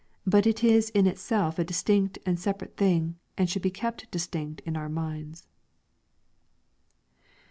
But it is in itself a distinct and separate thing, and should be kept dis tinct in our minds.